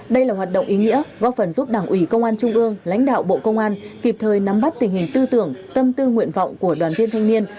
đây là hoạt động ý nghĩa góp phần giúp đảng ủy công an trung ương lãnh đạo bộ công an kịp thời nắm bắt tình hình tư tưởng tâm tư nguyện vọng của đoàn viên thanh niên